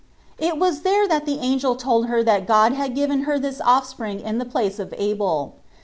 It was there that the angel told her that God had given her this offspring in the place of Abel.